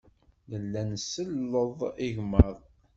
Nella nselleḍ igmaḍ.